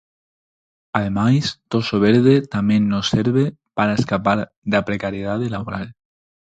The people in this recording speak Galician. Ademais, Toxo Verde tamén nos serve para escapar da precariedade laboral.